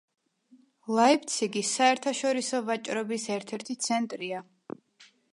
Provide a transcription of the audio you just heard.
ლაიფციგი საერთაშორისო ვაჭრობის ერთ-ერთი ცენტრია.